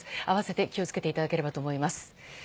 併せて気を付けていただければと思います。